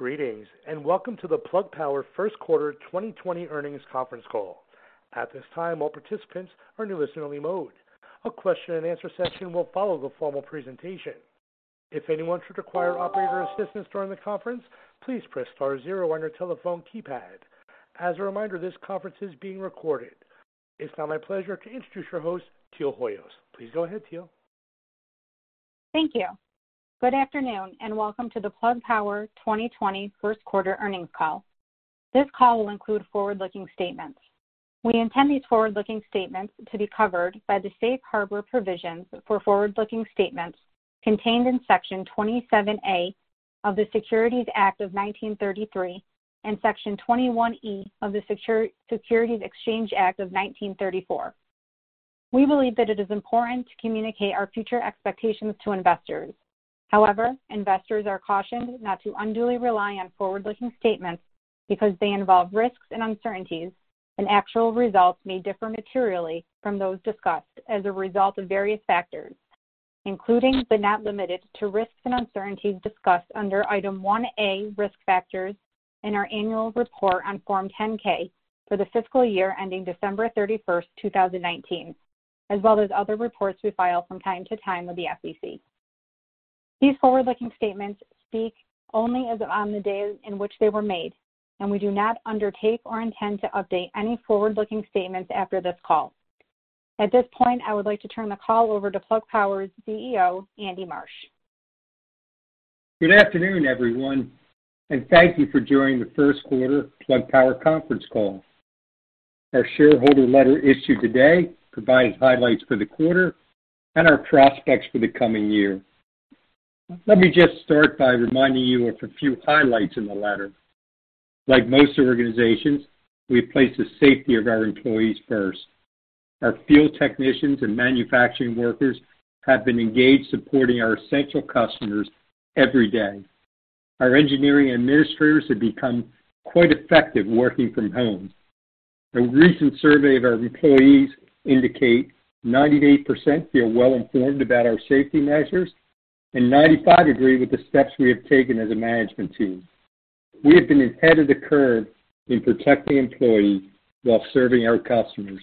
Greetings, welcome to the Plug Power first quarter 2020 earnings conference call. At this time, all participants are in listen only mode. A question and answer session will follow the formal presentation. If anyone should require operator assistance during the conference, please press star zero on your telephone keypad. As a reminder, this conference is being recorded. It is now my pleasure to introduce your host, Teal Hoyos. Please go ahead, Teal. Thank you. Good afternoon, and welcome to the Plug Power 2020 first quarter earnings call. This call will include forward-looking statements. We intend these forward-looking statements to be covered by the safe harbor provisions for forward-looking statements contained in Section 27A of the Securities Act of 1933 and Section 21E of the Securities Exchange Act of 1934. We believe that it is important to communicate our future expectations to investors. However, investors are cautioned not to unduly rely on forward-looking statements because they involve risks and uncertainties, and actual results may differ materially from those discussed as a result of various factors, including, but not limited to, risks and uncertainties discussed under Item 1A, Risk Factors in our annual report on Form 10-K for the fiscal year ending December 31st, 2019, as well as other reports we file from time to time with the SEC. These forward-looking statements speak only as on the day in which they were made, and we do not undertake or intend to update any forward-looking statements after this call. At this point, I would like to turn the call over to Plug Power's CEO, Andy Marsh. Good afternoon, everyone, and thank you for joining the first quarter Plug Power conference call. Our shareholder letter issued today provides highlights for the quarter and our prospects for the coming year. Let me just start by reminding you of a few highlights in the letter. Like most organizations, we place the safety of our employees first. Our field technicians and manufacturing workers have been engaged supporting our essential customers every day. Our engineering administrators have become quite effective working from home. A recent survey of our employees indicate 98% feel well-informed about our safety measures, and 95% agree with the steps we have taken as a management team. We have been ahead of the curve in protecting employees while serving our customers.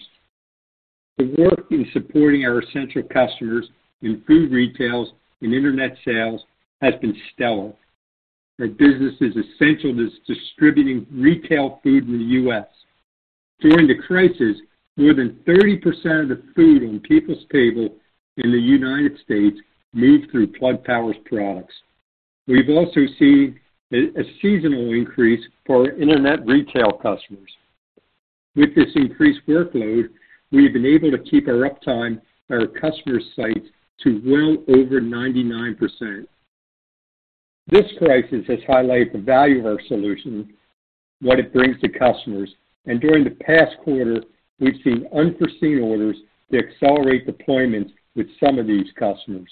The work in supporting our essential customers in food retails and internet sales has been stellar. That business is essential to distributing retail food in the U.S. During the crisis, more than 30% of the food on people's table in the U.S. moved through Plug Power's products. We've also seen a seasonal increase for our internet retail customers. With this increased workload, we have been able to keep our uptime at our customer site to well over 99%. This crisis has highlighted the value of our solution, what it brings to customers, and during the past quarter, we've seen unforeseen orders to accelerate deployments with some of these customers.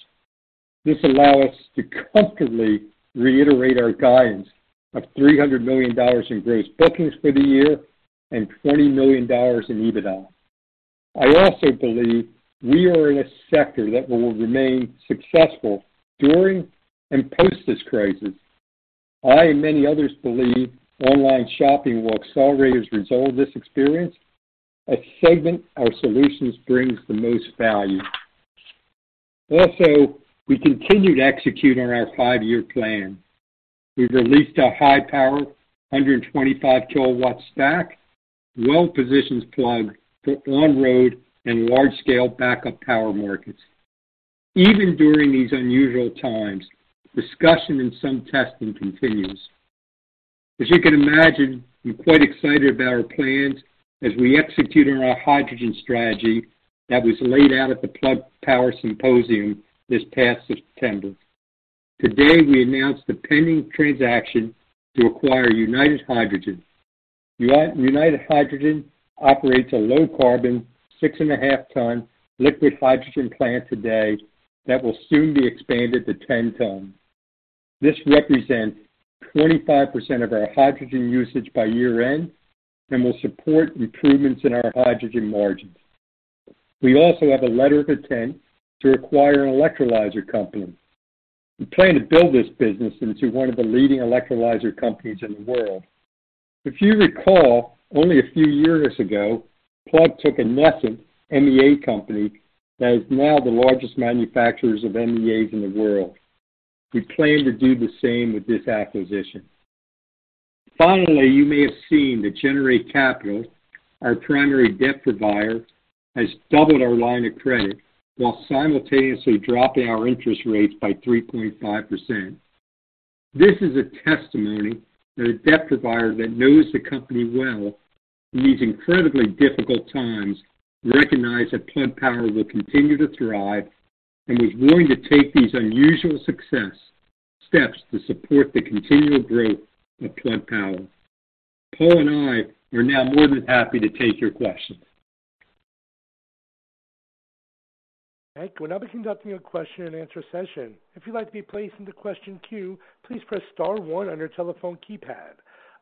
This allow us to comfortably reiterate our guidance of $300 million in gross bookings for the year and $20 million in EBITDA. I also believe we are in a sector that will remain successful during and post this crisis. I and many others believe online shopping will accelerate as a result of this experience, a segment our solutions brings the most value. Also, we continue to execute on our five-year plan. We've released a high power, 125 kW stack, well positions Plug for on-road and large scale backup power markets. Even during these unusual times, discussion and some testing continues. As you can imagine, we're quite excited about our plans as we execute on our hydrogen strategy that was laid out at the Plug Symposium this past September. Today, we announced the pending transaction to acquire United Hydrogen. United Hydrogen operates a low carbon, 6.5 ton liquid hydrogen plant today that will soon be expanded to 10 ton. This represents 25% of our hydrogen usage by year-end and will support improvements in our hydrogen margins. We also have a letter of intent to acquire an electrolyzer company. We plan to build this business into one of the leading electrolyzer companies in the world. If you recall, only a few years ago, Plug took a method, MEA company, that is now the largest manufacturers of MEAs in the world. We plan to do the same with this acquisition. You may have seen that Generate Capital, our primary debt provider, has doubled our line of credit while simultaneously dropping our interest rates by 3.5%. This is a testimony that a debt provider that knows the company well in these incredibly difficult times recognize that Plug Power will continue to thrive and is willing to take these unusual success steps to support the continual growth of Plug Power. Paul and I are now more than happy to take your questions. We'll now be conducting a question and answer session. If you'd like to be placed into question queue, please press star one on your telephone keypad.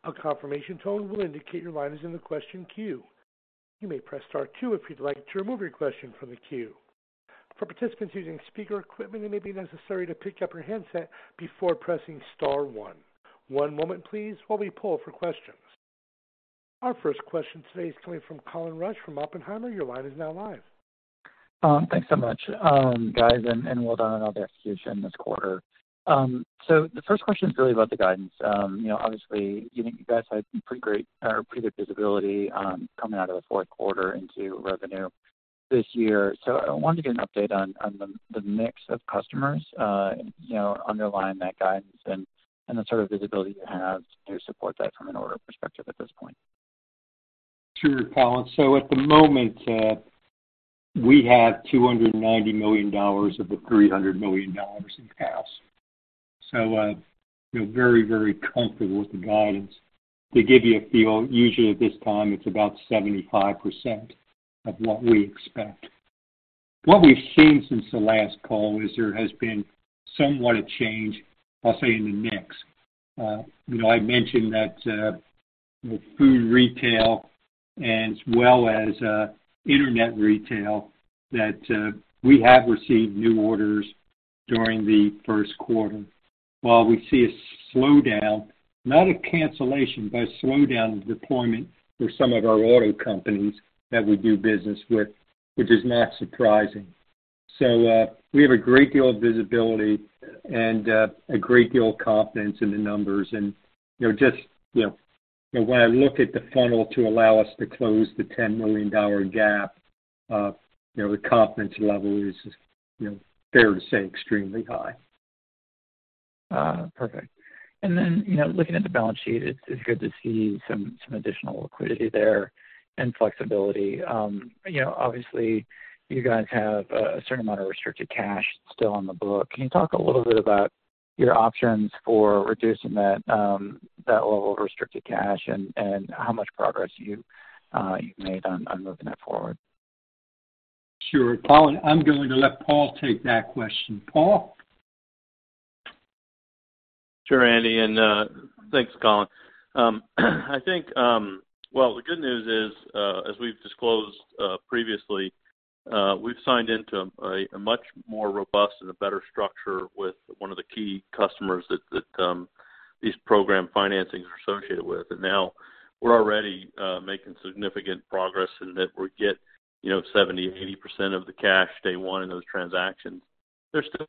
A confirmation tone will indicate your line is in the question queue. You may press star two if you'd like to remove your question from the queue. For participants using speaker equipment, it may be necessary to pick up your handset before pressing star one. One moment please, while we poll for questions. Our first question today is coming from Colin Rusch from Oppenheimer, your line is now live. Thanks so much, guys, and well done on all the execution this quarter. The first question is really about the guidance. Obviously, you guys had some pretty great visibility coming out of the fourth quarter into revenue this year. I wanted to get an update on the mix of customers underlying that guidance and the sort of visibility you have to support that from an order perspective at this point. Sure, Colin. At the moment, we have $290 million of the $300 million in cash. Feel very, very comfortable with the guidance. To give you a feel, usually at this time, it's about 75% of what we expect. What we've seen since the last call is there has been somewhat a change, I'll say, in the mix. I mentioned that with food retail and as well as internet retail, that we have received new orders during the first quarter. While we see a slowdown, not a cancellation, but a slowdown in deployment for some of our auto companies that we do business with, which is not surprising. We have a great deal of visibility and a great deal of confidence in the numbers. When I look at the funnel to allow us to close the $10 million gap, the confidence level is fair to say, extremely high. Perfect. Looking at the balance sheet, it's good to see some additional liquidity there and flexibility. Obviously, you guys have a certain amount of restricted cash still on the book. Can you talk a little bit about your options for reducing that level of restricted cash and how much progress you've made on moving that forward? Sure. Colin, I'm going to let Paul take that question. Paul? Sure, Andy, thanks, Colin. The good news is, as we've disclosed previously, we've signed into a much more robust and a better structure with one of the key customers that these program financings are associated with. Now we're already making significant progress in that we get 70%-80% of the cash day one in those transactions. There's still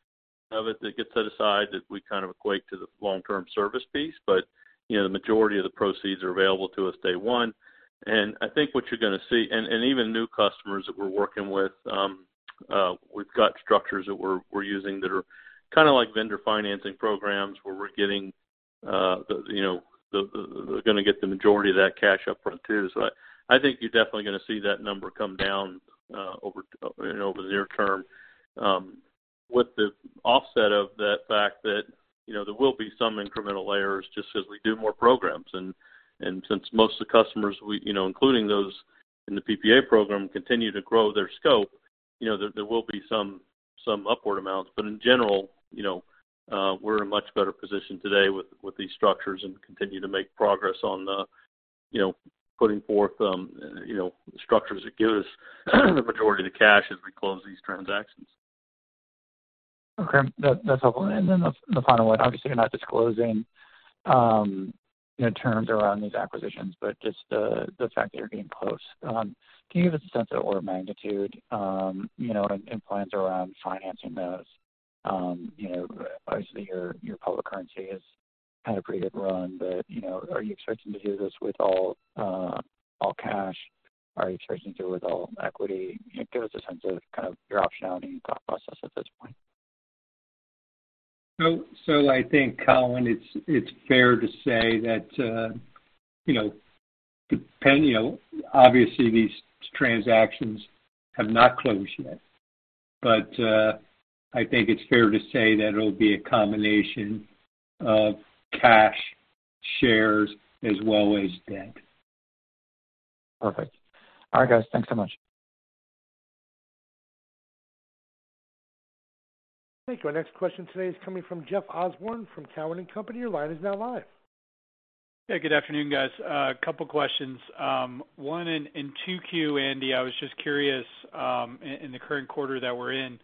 of it that gets set aside that we kind of equate to the long-term service piece, the majority of the proceeds are available to us day one. I think what you're going to see. Even new customers that we're working with, we've got structures that we're using that are kind of like vendor financing programs, where we're going to get the majority of that cash upfront too. I think you're definitely going to see that number come down over the near term. With the offset of that fact that there will be some incremental layers just as we do more programs. Since most of the customers, including those in the PPA program, continue to grow their scope, there will be some upward amounts. In general, we're in a much better position today with these structures and continue to make progress on putting forth structures that give us the majority of the cash as we close these transactions. Okay. That's helpful. Then the final one, obviously, you're not disclosing terms around these acquisitions, but just the fact that you're getting close. Can you give us a sense of order of magnitude, and plans around financing those? Obviously, your public currency has had a pretty good run, are you expecting to do this with all cash? Are you expecting to do it with all equity? Give us a sense of kind of your optionality and thought process at this point. I think, Colin, it's fair to say that, obviously, these transactions have not closed yet. I think it's fair to say that it'll be a combination of cash shares as well as debt. Perfect. All right, guys. Thanks so much. Thank you. Our next question today is coming from Jeff Osborne from Cowen and Company. Your line is now live. Yeah, good afternoon, guys. A couple questions. One, in 2Q, Andy, I was just curious, in the current quarter that we're in,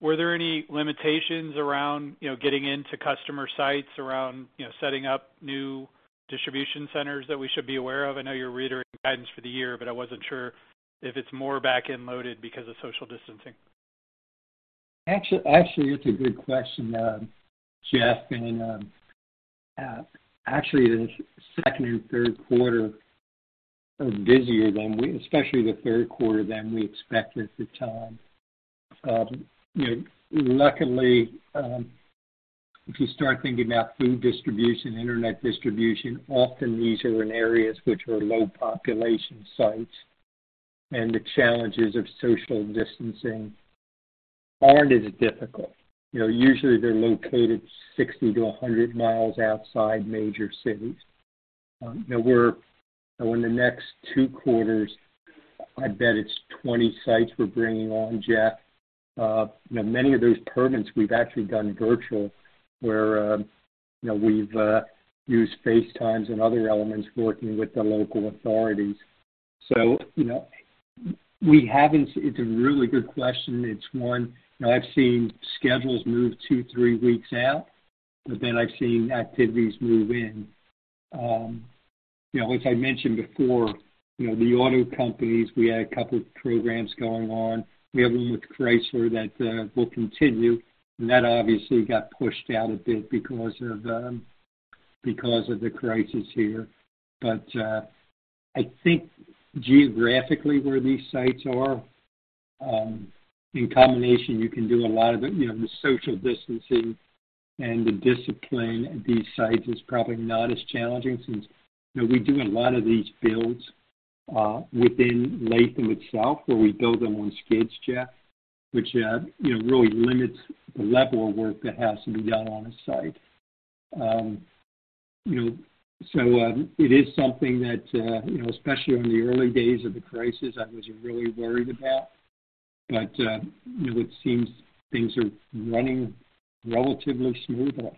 were there any limitations around getting into customer sites, around setting up new distribution centers that we should be aware of? I know you're reiterating guidance for the year, but I wasn't sure if it's more back-end loaded because of social distancing. Actually, it's a good question, Jeff. Actually, the second and third quarter are busier, especially the third quarter, than we expected at the time. Luckily, if you start thinking about food distribution, internet distribution, often these are in areas which are low population sites. The challenges of social distancing aren't as difficult. Usually, they're located 60 mi-100 mi outside major cities. In the next two quarters, I bet it's 20 sites we're bringing on, Jeff. Many of those permits we've actually done virtual, where we've used FaceTime and other elements working with the local authorities. It's a really good question. It's one, I've seen schedules move two, three weeks out. Then I've seen activities move in. As I mentioned before, the auto companies, we had a couple of programs going on. We have one with Chrysler that will continue. That obviously got pushed out a bit because of the crisis here. I think geographically, where these sites are, in combination, you can do a lot of it, the social distancing and the discipline at these sites is probably not as challenging since we do a lot of these builds within Latham itself, where we build them on skids, Jeff, which really limits the level of work that has to be done on a site. It is something that, especially in the early days of the crisis, I was really worried about, but it seems things are running relatively smoothly.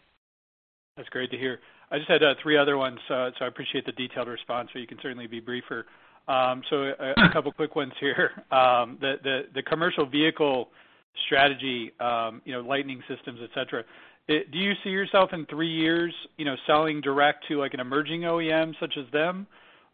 That's great to hear. I just had three other ones, so I appreciate the detailed response, so you can certainly be briefer. A couple of quick ones here. The commercial vehicle strategy, Lightning Systems, et cetera, do you see yourself in three years selling direct to an emerging OEM such as them?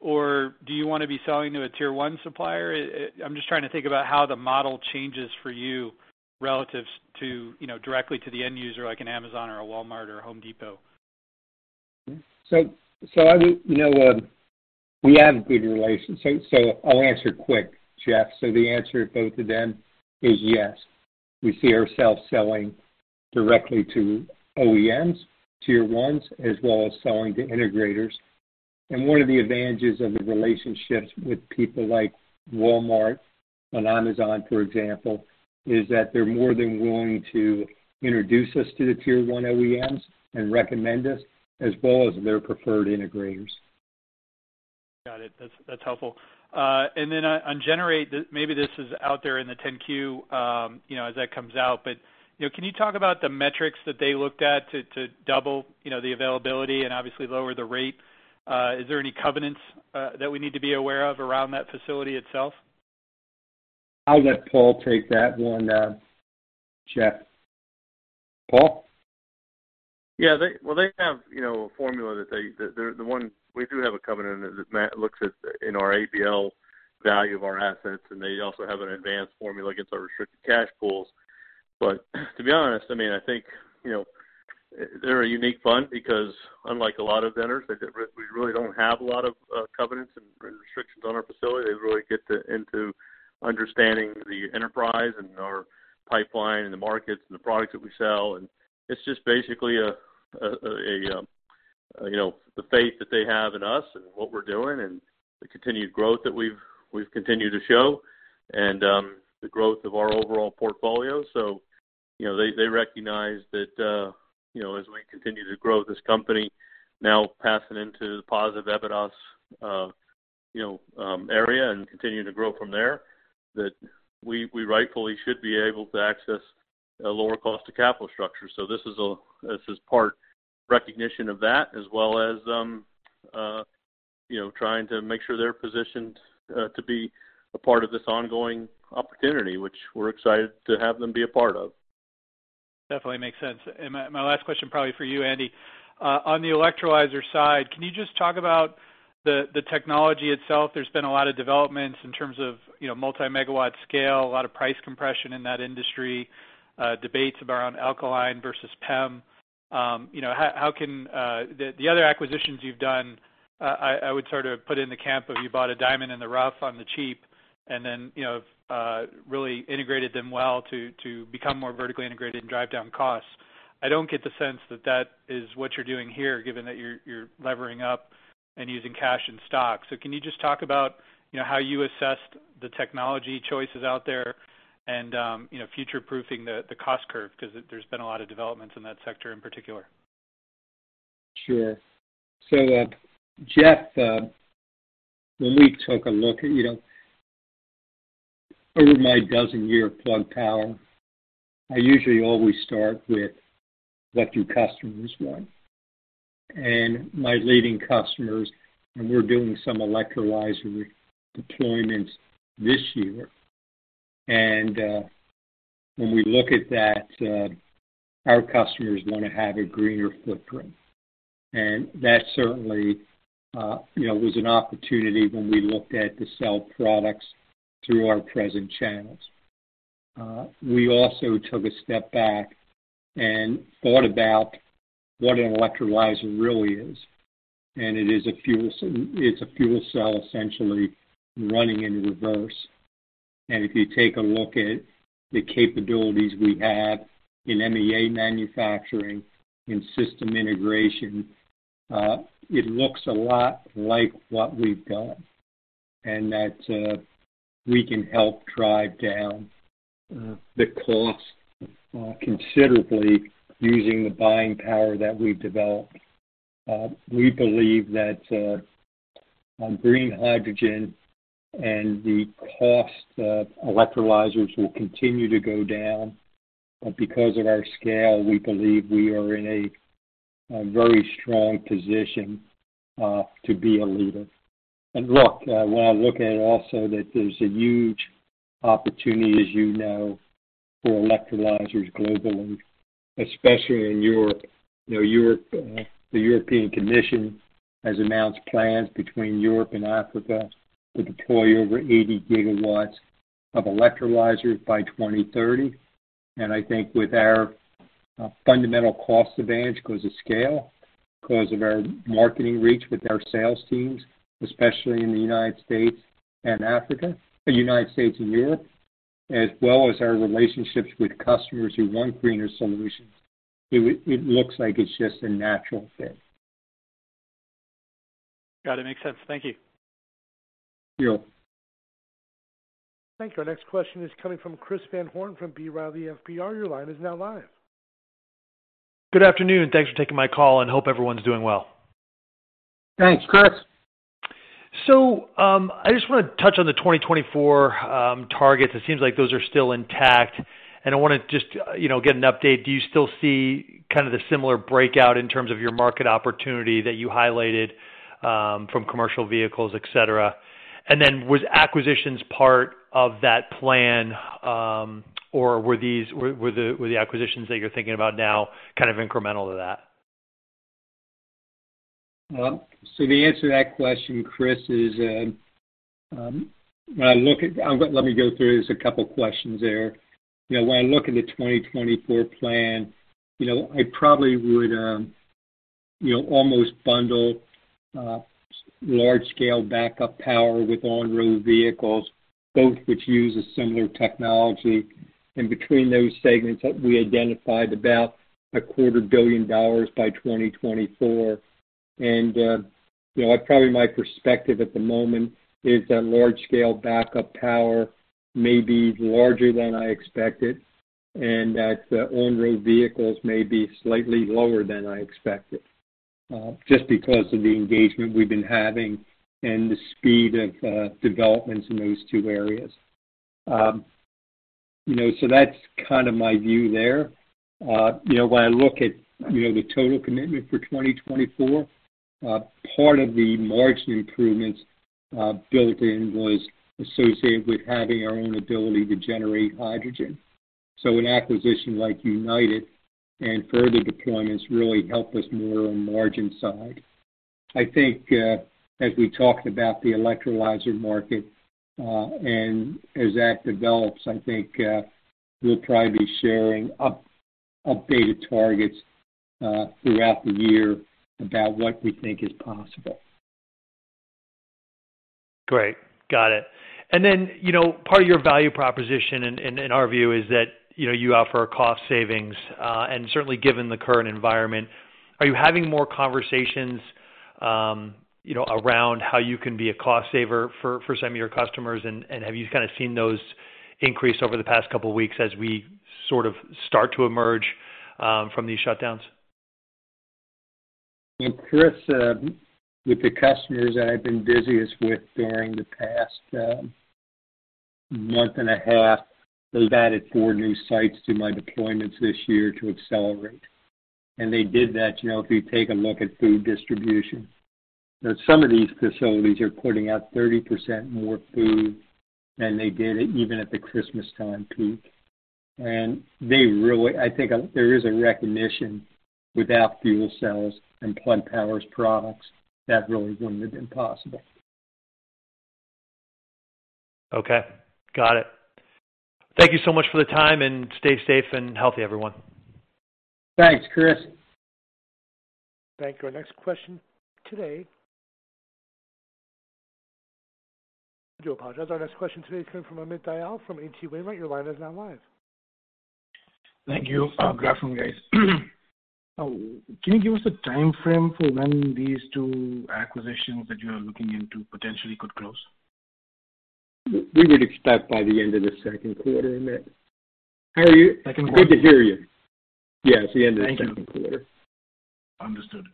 Or do you want to be selling to a tier one supplier? I'm just trying to think about how the model changes for you relative to directly to the end user, like an Amazon or a Walmart or a Home Depot? We have good relations, so I'll answer quick, Jeff. The answer to both of them is yes. We see ourselves selling directly to OEMs, tier 1s, as well as selling to integrators. One of the advantages of the relationships with people like Walmart and Amazon, for example, is that they're more than willing to introduce us to the tier 1 OEMs and recommend us, as well as their preferred integrators. Got it. That's helpful. On Generate, maybe this is out there in the 10-Q, as that comes out, but can you talk about the metrics that they looked at to double the availability and obviously lower the rate? Is there any covenants that we need to be aware of around that facility itself? I'll let Paul take that one, Jeff. Paul? Yeah. Well, we do have a covenant that looks at in our ABL value of our assets, and they also have an advanced formula against our restricted cash pools. To be honest, I think, they're a unique fund because unlike a lot of vendors, we really don't have a lot of covenants and restrictions on our facility. They really get into understanding the enterprise and our pipeline and the markets and the products that we sell. It's just basically the faith that they have in us and what we're doing and the continued growth that we've continued to show and the growth of our overall portfolio. They recognize that as we continue to grow this company, now passing into the positive EBITDA area and continuing to grow from there, that we rightfully should be able to access a lower cost of capital structure. This is part recognition of that, as well as trying to make sure they're positioned to be a part of this ongoing opportunity, which we're excited to have them be a part of. Definitely makes sense. My last question probably for you, Andy. On the electrolyzer side, can you just talk about the technology itself? There's been a lot of developments in terms of multi-megawatt scale, a lot of price compression in that industry, debates around alkaline versus PEM. The other acquisitions you've done, I would sort of put in the camp of you bought a diamond in the rough on the cheap and then really integrated them well to become more vertically integrated and drive down costs. I don't get the sense that that is what you're doing here, given that you're levering up and using cash and stock. Can you just talk about how you assessed the technology choices out there and future-proofing the cost curve? Because there's been a lot of developments in that sector in particular. Sure. Jeff, when we took a look at Over my dozen year of Plug Power, I usually always start with, what do customers want? My leading customers, and we're doing some electrolyzer deployments this year, and when we look at that, our customers want to have a greener footprint. That certainly was an opportunity when we looked at to sell products through our present channels. We also took a step back and thought about what an electrolyzer really is. It's a fuel cell, essentially, running in reverse. If you take a look at the capabilities we have in MEA manufacturing, in system integration, it looks a lot like what we've done, and that we can help drive down the cost considerably using the buying power that we've developed. We believe On green hydrogen and the cost of electrolyzers will continue to go down. Because of our scale, we believe we are in a very strong position to be a leader. Look, when I look at it also, that there's a huge opportunity, as you know, for electrolyzers globally, especially in Europe. The European Commission has announced plans between Europe and Africa to deploy over 80 GW of electrolyzers by 2030. I think with our fundamental cost advantage because of scale, because of our marketing reach with our sales teams, especially in the United States and Europe, as well as our relationships with customers who want greener solutions, it looks like it's just a natural fit. Got it. Makes sense. Thank you. Thank you. Thank you. Our next question is coming from Chris Van Horn from B. Riley FBR. Your line is now live. Good afternoon. Thanks for taking my call, and hope everyone's doing well. Thanks, Chris. I just want to touch on the 2024 targets. It seems like those are still intact, and I want to just get an update. Do you still see kind of the similar breakout in terms of your market opportunity that you highlighted from commercial vehicles, et cetera? Was acquisitions part of that plan, or were the acquisitions that you're thinking about now kind of incremental to that? The answer to that question, Chris, is when I look at. Let me go through, there's a couple questions there. When I look at the 2024 plan, I probably would almost bundle large-scale backup power with on-road vehicles, both which use a similar technology. Between those segments, we identified about a quarter billion dollars by 2024. Probably my perspective at the moment is that large-scale backup power may be larger than I expected and that the on-road vehicles may be slightly lower than I expected, just because of the engagement we've been having and the speed of developments in those two areas. That's kind of my view there. When I look at the total commitment for 2024, part of the margin improvements built in was associated with having our own ability to generate hydrogen. An acquisition like United and further deployments really help us more on the margin side. I think as we talked about the electrolyzer market, and as that develops, I think we'll probably be sharing updated targets throughout the year about what we think is possible. Great. Got it. Part of your value proposition in our view is that you offer cost savings. Certainly given the current environment, are you having more conversations around how you can be a cost saver for some of your customers? Have you kind of seen those increase over the past couple of weeks as we sort of start to emerge from these shutdowns? Chris, with the customers that I've been busiest with during the past month and a half, they've added four new sites to my deployments this year to accelerate. They did that, if you take a look at food distribution. Now some of these facilities are putting out 30% more food than they did even at the Christmas time peak. I think there is a recognition without fuel cells and Plug Power's products, that really wouldn't have been possible. Okay. Got it. Thank you so much for the time, and stay safe and healthy, everyone. Thanks, Chris. Thank you. Our next question today is coming from Amit Dayal from H.C. Wainwright. Your line is now live. Thank you. Great point, guys. Can you give us a timeframe for when these two acquisitions that you are looking into potentially could close? We would expect by the end of the second quarter, Amit. How are you? Good to hear you. Yes, the end of the second quarter. Understood.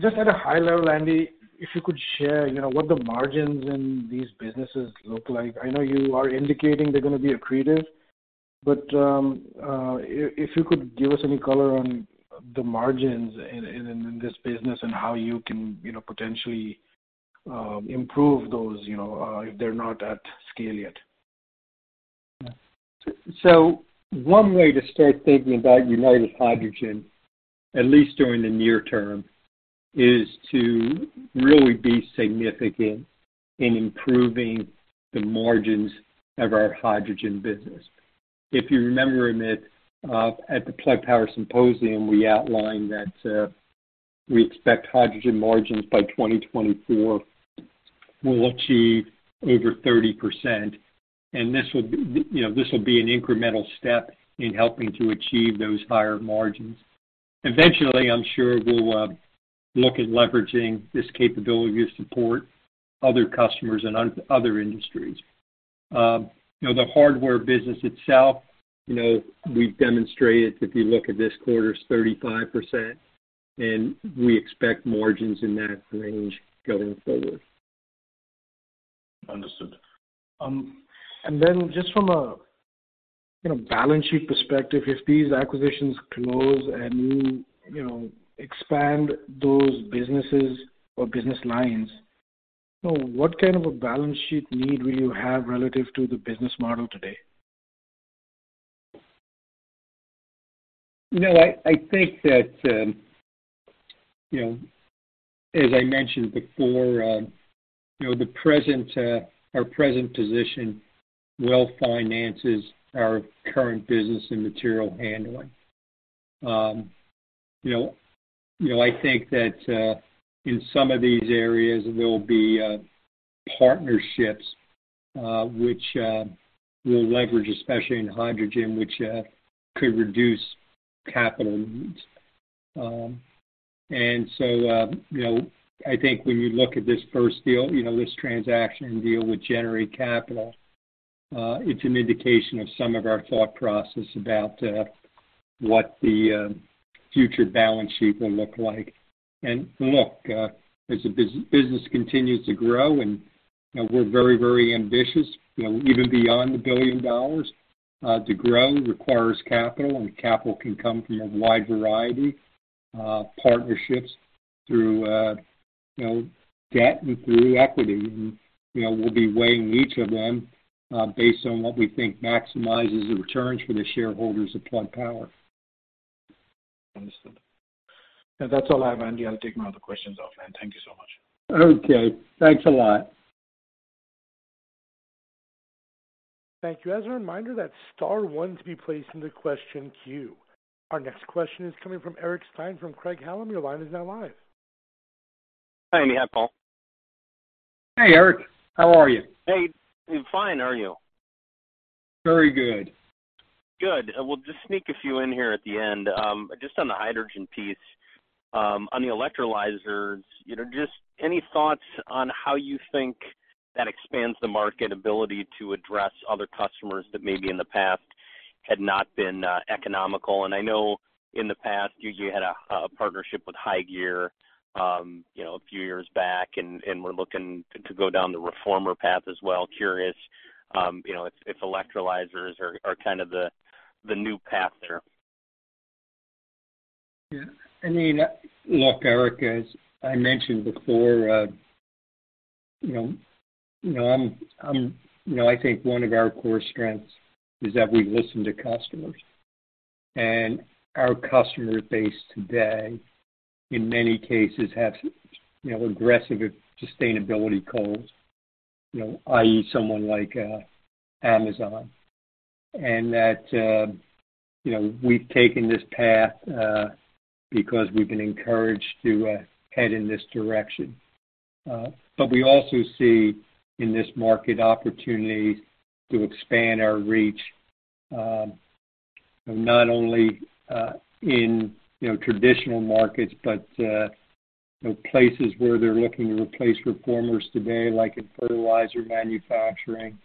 Just at a high level, Andy, if you could share what the margins in these businesses look like. I know you are indicating they're going to be accretive, but if you could give us any color on the margins in this business and how you can potentially improve those, if they're not at scale yet. One way to start thinking about United Hydrogen, at least during the near term, is to really be significant in improving the margins of our hydrogen business. If you remember, Amit, at the Plug Symposium, we outlined that we expect hydrogen margins by 2024 will achieve over 30%. This will be an incremental step in helping to achieve those higher margins. Eventually, I'm sure we'll look at leveraging this capability to support other customers in other industries. The hardware business itself, we've demonstrated, if you look at this quarter, it's 35%, and we expect margins in that range going forward. Understood. Just from a balance sheet perspective, if these acquisitions close and you expand those businesses or business lines, what kind of a balance sheet need will you have relative to the business model today? I think that, as I mentioned before, our present position well finances our current business in material handling. I think that in some of these areas, there will be partnerships, which we'll leverage, especially in hydrogen, which could reduce capital needs. I think when you look at this first deal, this transaction and deal with Generate Capital, it's an indication of some of our thought process about what the future balance sheet will look like. As the business continues to grow, and we're very ambitious, even beyond $1 billion, to grow requires capital, and capital can come from a wide variety of partnerships through debt and through equity. We'll be weighing each of them, based on what we think maximizes the returns for the shareholders of Plug Power. Understood. That's all I have, Andy. I'll take my other questions offline. Thank you so much. Okay. Thanks a lot. Thank you. As a reminder, that's star one to be placed into question queue. Our next question is coming from Eric Stine from Craig-Hallum. Your line is now live. Hi, Andy. Hi, Paul. Hey, Eric. How are you? Hey. I'm fine. How are you? Very good. Good. We'll just sneak a few in here at the end. Just on the hydrogen piece, on the electrolyzers, just any thoughts on how you think that expands the market ability to address other customers that maybe in the past had not been economical? I know in the past, you had a partnership with HyGear a few years back, and were looking to go down the reformer path as well. Curious if electrolyzers are kind of the new path there. Yeah. Look, Eric, as I mentioned before, I think one of our core strengths is that we listen to customers. Our customer base today, in many cases, have aggressive sustainability goals, i.e., someone like Amazon. That we've taken this path, because we've been encouraged to head in this direction. We also see in this market opportunity to expand our reach, not only in traditional markets, but places where they're looking to replace reformers today, like in fertilizer manufacturing.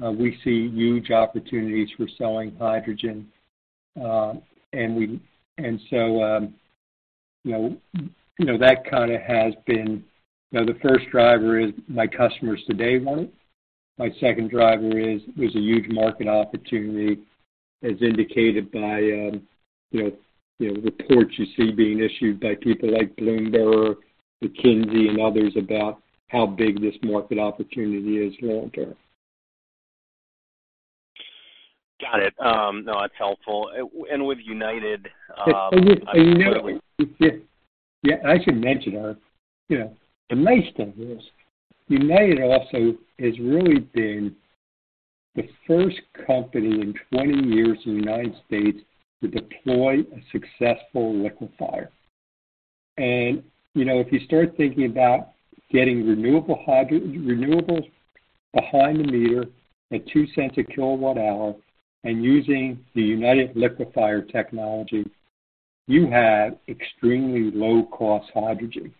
We see huge opportunities for selling hydrogen. That kind of has been the first driver is my customers today want it. My second driver is there's a huge market opportunity as indicated by reports you see being issued by people like Bloomberg, McKinsey, and others about how big this market opportunity is longer. Got it. No, that's helpful. With United. Yeah, I should mention, Eric, the nice thing is United also has really been the first company in 20 years in the U.S. to deploy a successful liquefier. If you start thinking about getting renewables behind the meter at $0.02 kWh, and using the United liquefier technology, you have extremely low-cost hydrogen,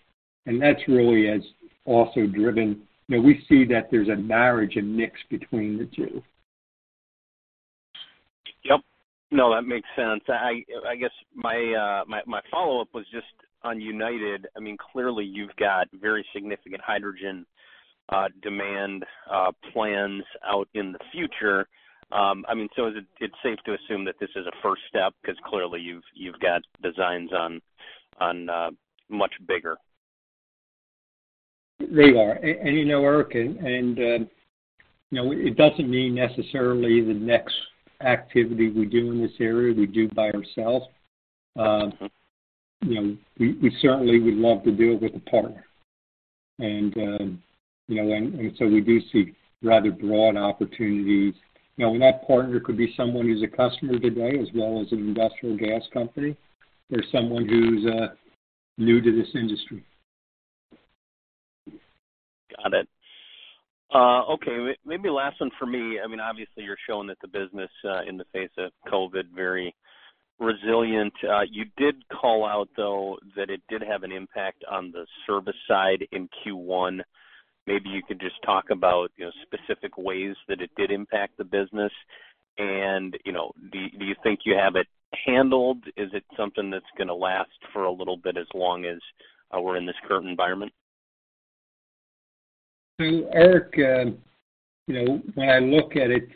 and that's really has also driven We see that there's a marriage, a mix between the two. Yep. No, that makes sense. I guess my follow-up was just on United. Clearly, you've got very significant hydrogen demand plans out in the future. Is it safe to assume that this is a first step? Clearly, you've got designs on much bigger. They are. You know, Eric, it doesn't mean necessarily the next activity we do in this area, we do by ourselves. Okay. We certainly would love to do it with a partner. We do see rather broad opportunities. That partner could be someone who's a customer today, as well as an industrial gas company or someone who's new to this industry. Got it. Okay. Maybe last one for me. Obviously, you're showing that the business in the face of COVID very resilient. You did call out, though, that it did have an impact on the service side in Q1. Maybe you could just talk about specific ways that it did impact the business and do you think you have it handled? Is it something that's going to last for a little bit as long as we're in this current environment? Eric, when I look at it,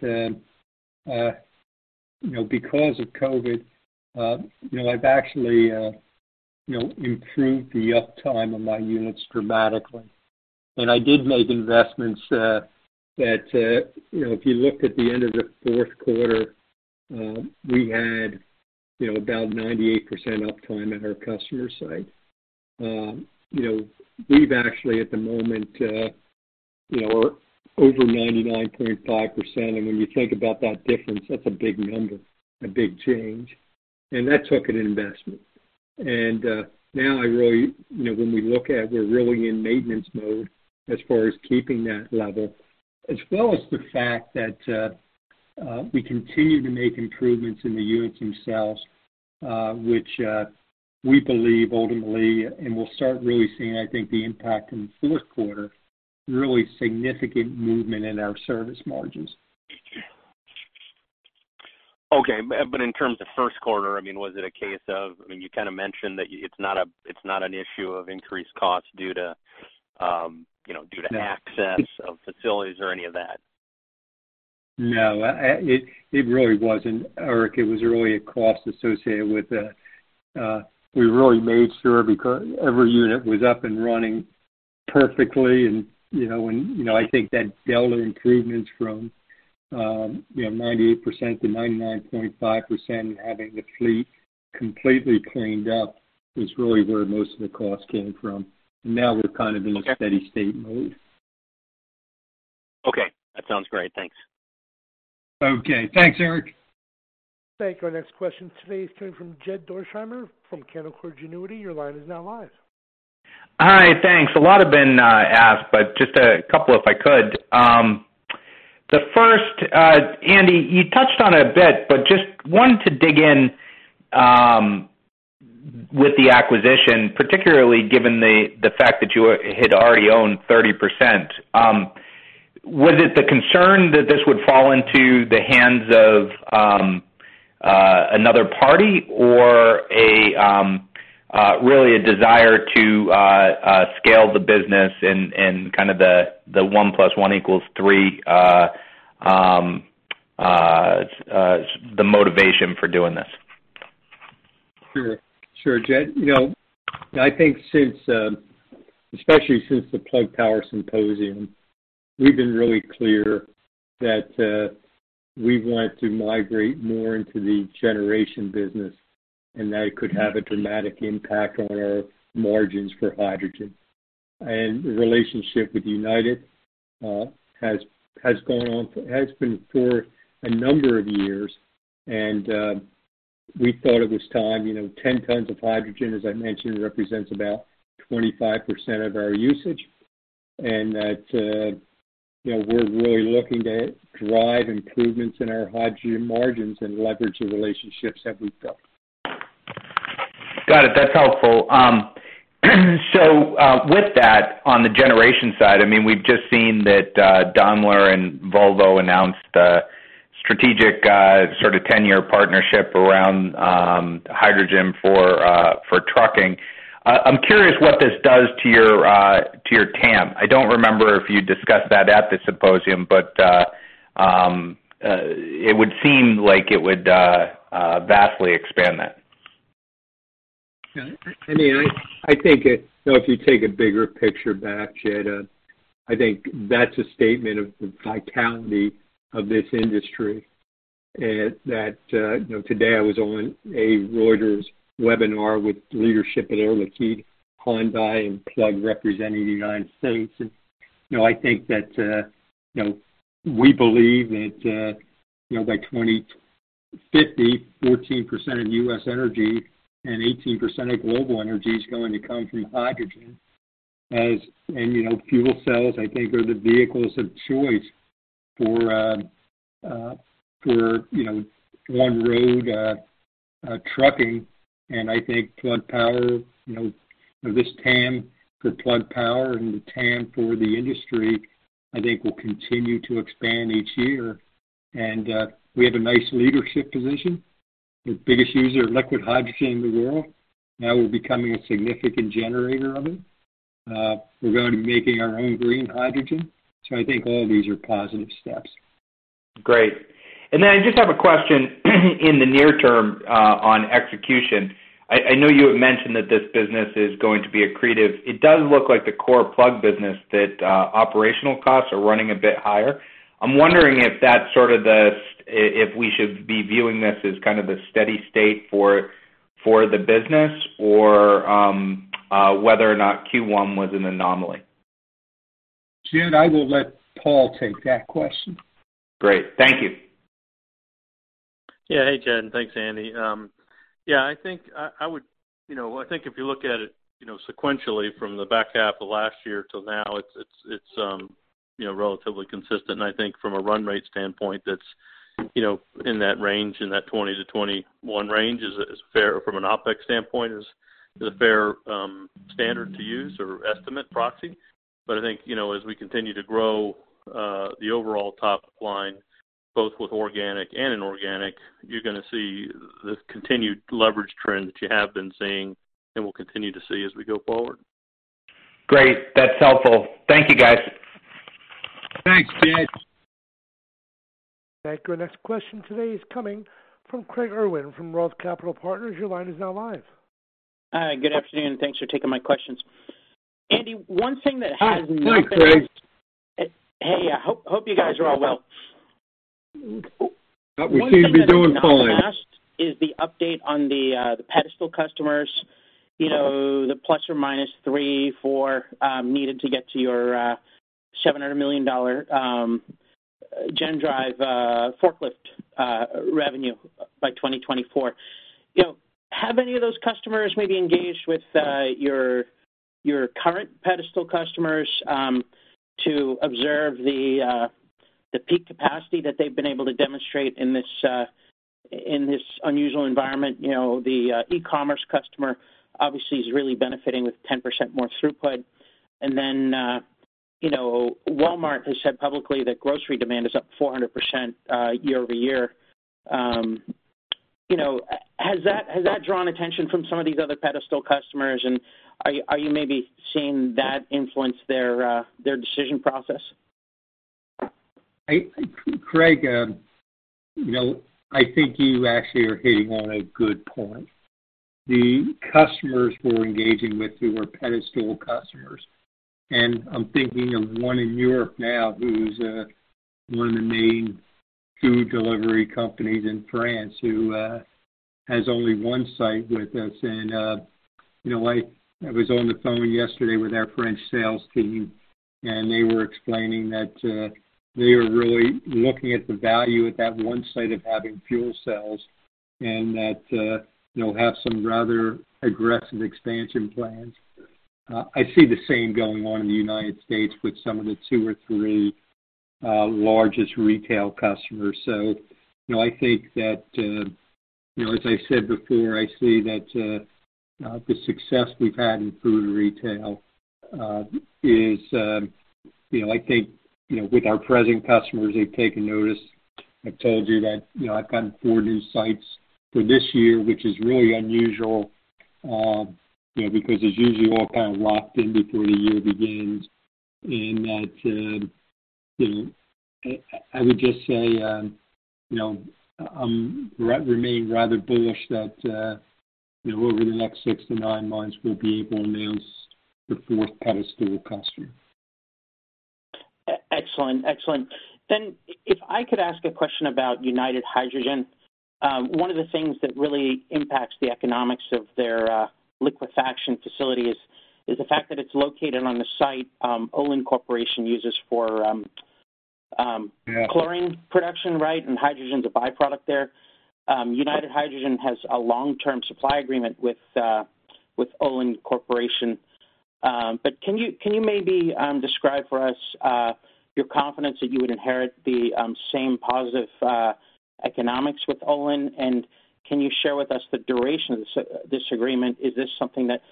because of COVID, I've actually improved the uptime on my units dramatically. I did make investments that, if you look at the end of the fourth quarter, we had about 98% uptime at our customer site. We've actually, at the moment, we're over 99.5%, when you think about that difference, that's a big number, a big change. That took an investment. Now when we look at we're really in maintenance mode as far as keeping that level, as well as the fact that we continue to make improvements in the units themselves, which we believe ultimately, we'll start really seeing, I think, the impact in the fourth quarter, really significant movement in our service margins. Okay. In terms of first quarter, you kind of mentioned that it's not an issue of increased costs due to access of facilities or any of that. No, it really wasn't, Eric. It was really a cost associated with We really made sure every unit was up and running perfectly, and I think that delta improvements from 98% to 99.5% and having the fleet completely cleaned up was really where most of the cost came from. Now we're kind of in a steady state mode. Okay. That sounds great. Thanks. Okay. Thanks, Eric. Thank you. Our next question today is coming from Jed Dorsheimer from Canaccord Genuity. Your line is now live. Hi, thanks. A lot have been asked, just a couple if I could. The first, Andy, you touched on it a bit, just wanted to dig in with the acquisition, particularly given the fact that you had already owned 30%. Was it the concern that this would fall into the hands of another party or really a desire to scale the business and kind of the one plus one equals three, the motivation for doing this? Sure. Jed, I think especially since the Plug Power Symposium, we've been really clear that we want to migrate more into the generation business, and that it could have a dramatic impact on our margins for hydrogen. The relationship with United has been for a number of years, and we thought it was time, 10 tons of hydrogen, as I mentioned, represents about 25% of our usage, and that we're really looking to drive improvements in our hydrogen margins and leverage the relationships that we've built. Got it. That's helpful. With that on the generation side, we've just seen that Daimler and Volvo announced a strategic sort of 10-year partnership around hydrogen for trucking. I'm curious what this does to your TAM. I don't remember if you discussed that at the Symposium, but it would seem like it would vastly expand that. Jed, I think if you take a bigger picture back, Jed, I think that's a statement of the vitality of this industry. Today I was on a Reuters webinar with leadership at Air Liquide, Hyundai, and Plug representing the U.S. I think that we believe that by 2050, 14% of U.S. energy and 18% of global energy is going to come from hydrogen. Fuel cells, I think, are the vehicles of choice for on-road trucking. I think this TAM for Plug Power and the TAM for the industry, I think will continue to expand each year. We have a nice leadership position. We're the biggest user of liquid hydrogen in the world. Now we're becoming a significant generator of it. We're going to be making our own green hydrogen. I think all of these are positive steps. Great. I just have a question in the near term on execution. I know you had mentioned that this business is going to be accretive. It does look like the core Plug business that operational costs are running a bit higher. I'm wondering if we should be viewing this as kind of the steady state for the business or whether or not Q1 was an anomaly. Jed, I will let Paul take that question. Great. Thank you. Yeah. Hey, Jed, and thanks, Andy. I think if you look at it sequentially from the back half of last year till now, it's relatively consistent. I think from a run rate standpoint, that's in that range, in that 20-21 range is fair from an OPEX standpoint, is a fair standard to use or estimate proxy. I think, as we continue to grow the overall top line, both with organic and inorganic, you're going to see the continued leverage trend that you have been seeing and will continue to see as we go forward. Great. That's helpful. Thank you, guys. Thanks, Jed. Thank you. Our next question today is coming from Craig Irwin from Roth Capital Partners. Your line is now live. Hi. Good afternoon. Thanks for taking my questions. Andy, Hi. Thanks, Craig Hey. Hope you guys are all well. We seem to be doing fine. One thing that has not been asked is the update on the pedestal customers, the ±3, ±4 needed to get to your $700 million GenDrive forklift revenue by 2024. Have any of those customers maybe engaged with your current pedestal customers, to observe the peak capacity that they've been able to demonstrate in this unusual environment? The e-commerce customer obviously is really benefiting with 10% more throughput. Walmart has said publicly that grocery demand is up 400% year-over-year. Has that drawn attention from some of these other pedestal customers, and are you maybe seeing that influence their decision process? Craig, I think you actually are hitting on a good point. The customers we're engaging with who are pedestal customers, and I'm thinking of one in Europe now who's one of the main food delivery companies in France who has only one site with us. I was on the phone yesterday with our French sales team, and they were explaining that they are really looking at the value at that one site of having fuel cells and that they'll have some rather aggressive expansion plans. I see the same going on in the U.S. with some of the two or three largest retail customers. I think that, as I said before, I see that the success we've had in food and retail is, I think, with our present customers, they've taken notice. I've told you that I've gotten four new sites for this year, which is really unusual because it's usually all kind of locked in before the year begins. That, I would just say, I remain rather bullish that over the next six to nine months, we'll be able to announce the fourth pedestal customer. Excellent. If I could ask a question about United Hydrogen. One of the things that really impacts the economics of their liquefaction facility is the fact that it's located on the site Olin Corporation uses for chlorine production, right? Hydrogen's a byproduct there. United Hydrogen has a long-term supply agreement with Olin Corporation. Can you maybe describe for us your confidence that you would inherit the same positive economics with Olin, and can you share with us the duration of this agreement? Is this something that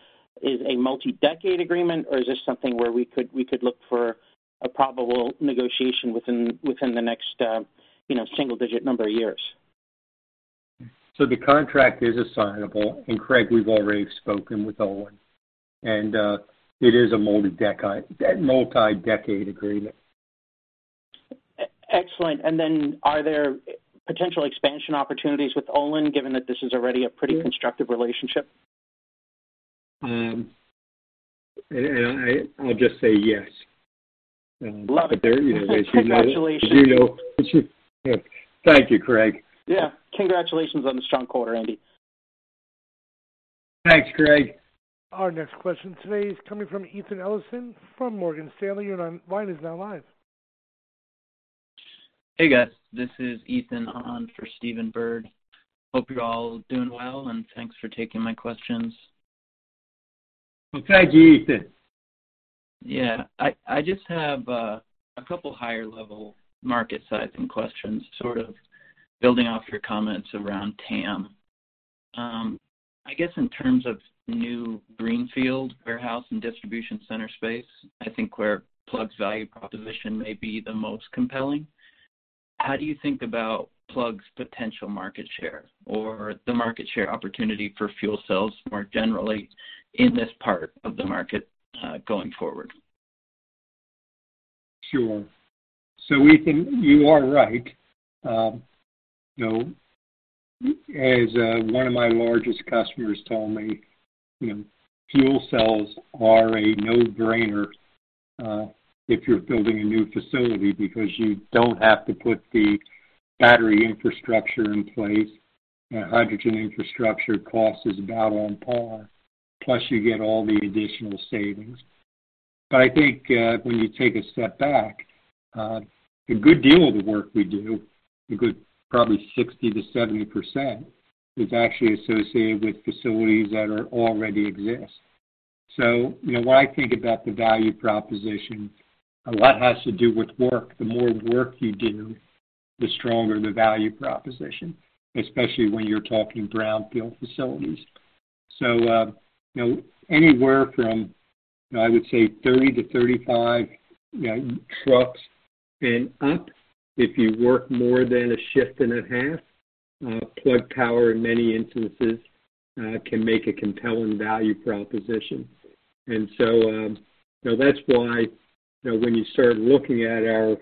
is a multi-decade agreement, or is this something where we could look for a probable negotiation within the next single-digit number of years? The contract is assignable, and Craig, we've already spoken with Olin, and it is a multi-decade agreement. Excellent. Are there potential expansion opportunities with Olin, given that this is already a pretty constructive relationship? I'll just say yes. Love it. But there. Congratulations. Thank you, Craig. Yeah. Congratulations on the strong quarter, Andy. Thanks, Craig. Our next question today is coming from Ethan Ellison from Morgan Stanley. Your line is now live. Hey, guys. This is Ethan on for Stephen Byrd. Hope you're all doing well, and thanks for taking my questions. Well, thank you, Ethan. Yeah. I just have a couple higher-level market sizing questions, sort of building off your comments around TAM. I guess in terms of new greenfield warehouse and distribution center space, I think where Plug's value proposition may be the most compelling, how do you think about Plug's potential market share or the market share opportunity for fuel cells more generally in this part of the market going forward? Sure. Ethan, you are right. As one of my largest customers told me, fuel cells are a no-brainer if you're building a new facility because you don't have to put the battery infrastructure in place. Hydrogen infrastructure cost is about on par, plus you get all the additional savings. I think when you take a step back, a good deal of the work we do, a good probably 60%-70% is actually associated with facilities that already exist. When I think about the value proposition, a lot has to do with work. The more work you do, the stronger the value proposition, especially when you're talking brownfield facilities. Anywhere from, I would say 30-35 trucks and up, if you work more than a shift and a half, Plug Power in many instances, can make a compelling value proposition. That's why when you start looking at our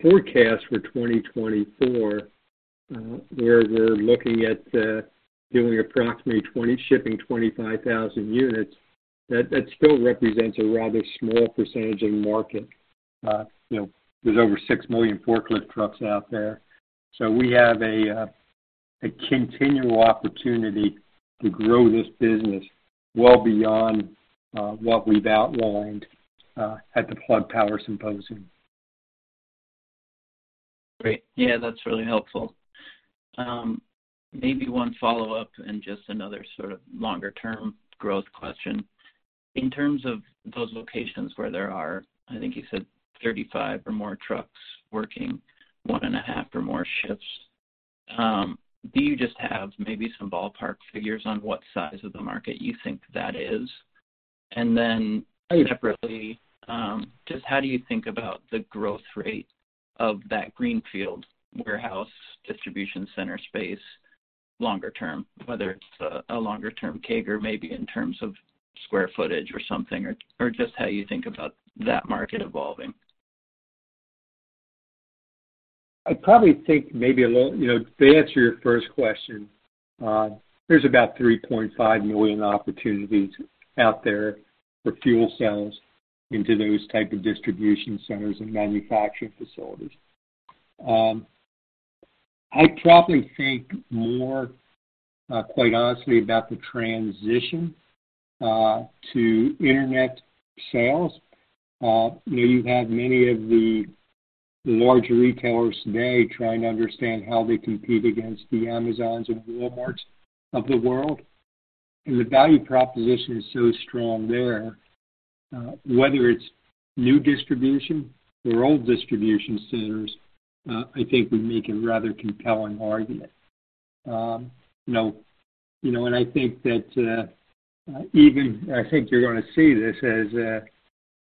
forecast for 2024, where we're looking at doing approximately shipping 25,000 units, that still represents a rather small percentage of the market. There's over 6 million forklift trucks out there. We have a continual opportunity to grow this business well beyond what we've outlined at the Plug Power Symposium. Great. Yeah, that's really helpful. Maybe one follow-up and just another sort of longer-term growth question. In terms of those locations where there are, I think you said 35 or more trucks working one and a half or more shifts, do you just have maybe some ballpark figures on what size of the market you think that is? Separately, just how do you think about the growth rate of that greenfield warehouse distribution center space longer term, whether it's a longer-term CAGR maybe in terms of square footage or something, or just how you think about that market evolving? I probably think maybe a little. To answer your first question, there's about 3.5 million opportunities out there for fuel cells into those type of distribution centers and manufacturing facilities. I probably think more, quite honestly, about the transition to internet sales. You have many of the larger retailers today trying to understand how they compete against the Amazons and Walmarts of the world, and the value proposition is so strong there. Whether it's new distribution or old distribution centers, I think we make a rather compelling argument. I think that you're going to see this as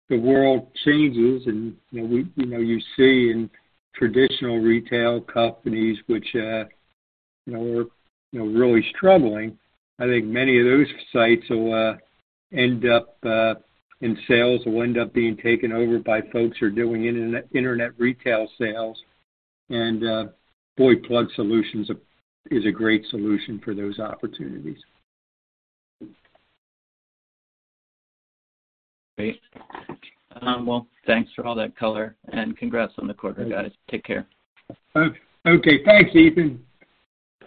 the world changes and you see in traditional retail companies which are really struggling, I think many of those sites will end up, and sales will end up being taken over by folks who are doing internet retail sales. Boy, Plug solutions is a great solution for those opportunities. Great. Well, thanks for all that color and congrats on the quarter, guys. Take care. Okay. Thanks, Ethan.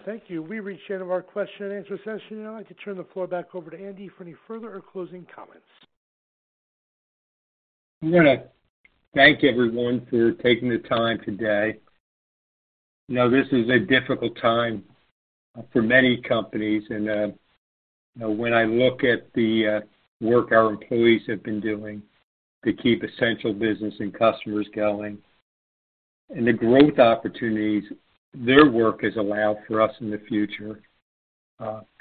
Thank you. We've reached the end of our question and answer session. Now I'd like to turn the floor back over to Andy for any further or closing comments. I want to thank everyone for taking the time today. This is a difficult time for many companies, and when I look at the work our employees have been doing to keep essential business and customers going and the growth opportunities their work has allowed for us in the future,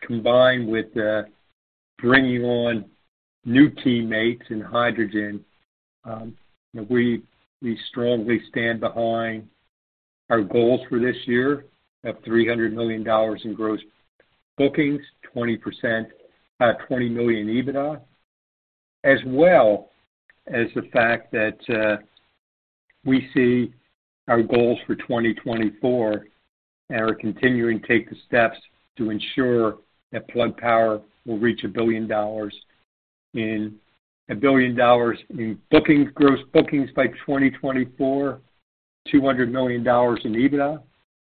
combined with bringing on new teammates in hydrogen, we strongly stand behind our goals for this year of $300 million in gross bookings, $20 million EBITDA, as well as the fact that we see our goals for 2024 and are continuing to take the steps to ensure that Plug Power will reach $1 billion in gross bookings by 2024, $200 million in EBITDA,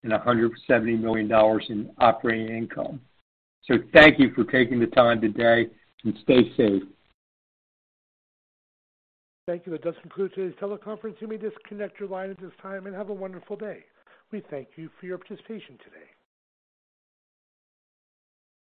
and $170 million in operating income. Thank you for taking the time today, and stay safe. Thank you. That does conclude today's teleconference. You may disconnect your line at this time, and have a wonderful day. We thank you for your participation today.